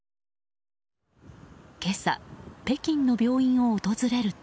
今朝、北京の病院を訪れると。